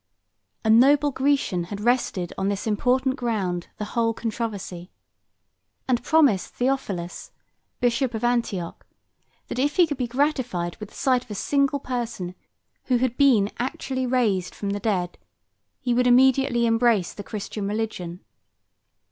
A noble Grecian had rested on this important ground the whole controversy, and promised Theophilus, Bishop of Antioch, that if he could be gratified with the sight of a single person who had been actually raised from the dead, he would immediately embrace the Christian religion.